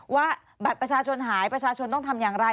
ว่าบัตรประชาชนหายประชาชนต้องทำอย่างไร